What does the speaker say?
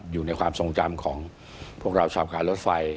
อยู่ในความทรงจำของพวกเราชาวการรถไฟ